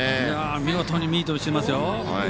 見事にミートしていますよ。